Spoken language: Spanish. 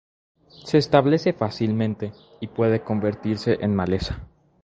Se establece fácilmente y puede convertirse en maleza.